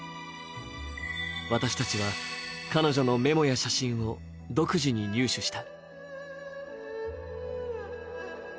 私たちは彼女のメモや写真を独自に入手した。